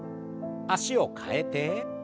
脚を替えて。